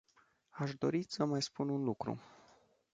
Aș dori să mai spun un lucru.